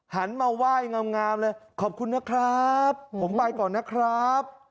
หันมาไหว้งามเลยขอบคุณนะครับผมไปก่อนนะครับ